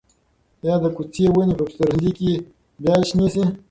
ایا د کوڅې ونې به په پسرلي کې بیا شنې شي؟